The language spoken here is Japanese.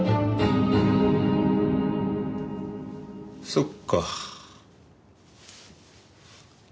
そっか。